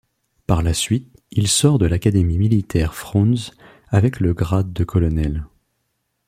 Par la suite il sort de l’Académie militaire Frounze avec le grade de colonel.